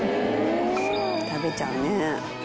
食べちゃうね。